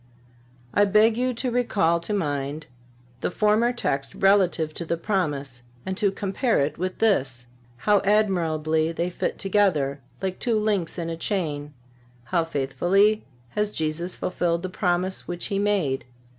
(373) I beg you to recall to mind the former text relative to the Promise and to compare it with this. How admirably they fit together, like two links in a chain! How faithfully has Jesus fulfilled the Promise which He made!